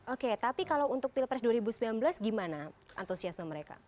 oke tapi kalau untuk pilpres dua ribu sembilan belas gimana antusiasme mereka